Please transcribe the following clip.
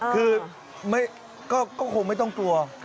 คือก็คงไม่ต้องกลัว